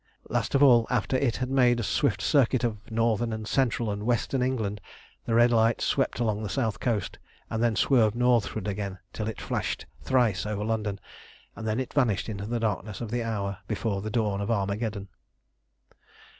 Last of all, after it had made a swift circuit of northern and central and western England, the red light swept along the south coast, and then swerved northward again till it flashed thrice over London, and then it vanished into the darkness of the hour before the dawn of Armageddon.